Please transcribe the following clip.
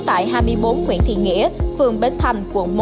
tại hai mươi bốn nguyễn thiện nghĩa phường bến thành quận một